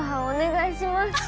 お願いします。